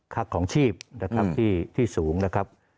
ของชีพนะครับที่สูงนะครับ